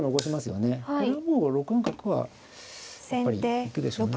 これはもう６四角はやっぱり行くでしょうね。